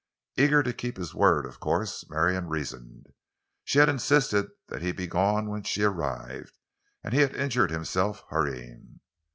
Eager to keep his word, of course, Marion reasoned. She had insisted that he be gone when she arrived, and he had injured himself hurrying.